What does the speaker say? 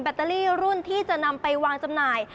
ตเตอรี่รุ่นที่จะนำไปวางจำหน่าย